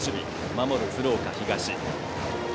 守る鶴岡東。